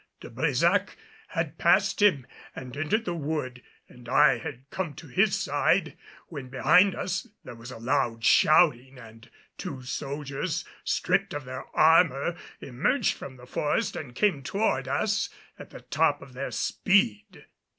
De Brésac had passed him and entered the wood, and I had come to his side, when behind us there was a loud shouting and two soldiers, stripped of their armor, emerged from the forest and came toward us at the top of their speed.